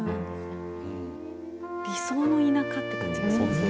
理想の田舎って感じがしますね。